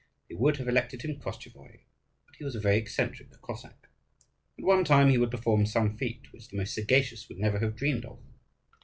They would have elected him Koschevoi, but he was a very eccentric Cossack. At one time he would perform some feat which the most sagacious would never have dreamed of.